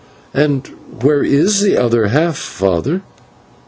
"And where is the other half, father?"